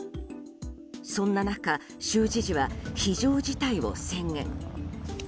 そんな中、州知事は非常事態を宣言。